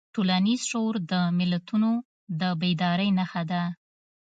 ټولنیز شعور د ملتونو د بیدارۍ نښه ده.